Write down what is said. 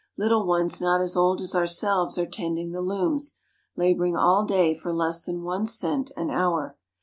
Little ones not as old as ourselves are tending the looms, laboring all day for SB JAPAN less than one cent an hour.